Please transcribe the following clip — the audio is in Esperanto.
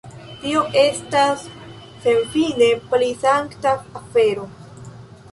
Tio estas senfine pli sankta afero.